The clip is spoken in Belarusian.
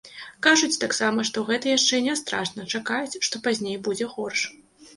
Кажуць таксама, што гэта яшчэ не страшна, чакаюць, што пазней будзе горш.